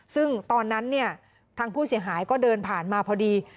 ซึ่งตอนนั้นเนี่ยทางผู้เสียหายก็เดินผ่านมาพอดี